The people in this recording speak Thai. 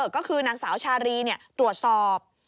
ก็คือนางสาวชารีตรวจสอบ